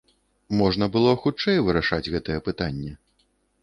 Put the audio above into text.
Можна было хутчэй вырашаць гэтае пытанне.